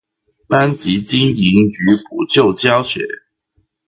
班級經營與補救教學